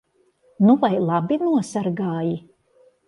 Nu vai labi nosargāji?